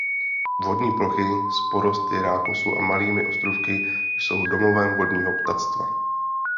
Vodní plochy s porosty rákosu a malými ostrůvky jsou domovem vodního ptactva.